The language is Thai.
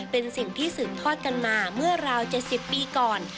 เป็นสิ่งที่สืบทอดกันมาเมื่อราว๗๐ปีก่อน